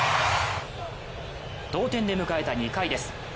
同点で迎えた２回です。